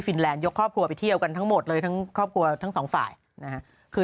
แลนดยกครอบครัวไปเที่ยวกันทั้งหมดเลยทั้งครอบครัวทั้งสองฝ่ายนะฮะคือ